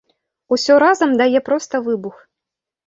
Усё разам дае проста выбух!